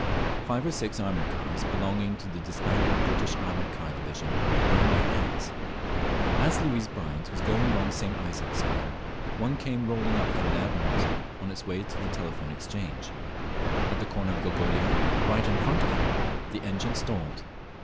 _ Five or six armoured cars, belonging to the disbanded British Armoured Car Division, were in their hands. As Louise Bryant was going along St. Isaac's Square one came rolling up from the Admiralty, on its way to the Telephone Exchange. At the corner of the Gogolia, right in front of her, the engine stalled.